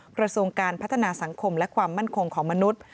กระทรวงการพัฒนาสังคมและความมั่นคงของมนุษย์